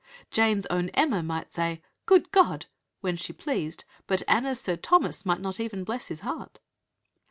Jane's own Emma might say "Good God!" when she pleased, but Anna's Sir Thomas might not even bless his heart!